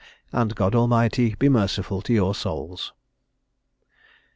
And God Almighty be merciful to your souls."